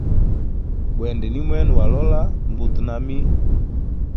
Bwenda nimwena wa lola mbutu nami.